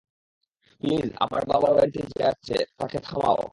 Please, আমার বাবার বাড়িতে যে আছে তাকে থামাও।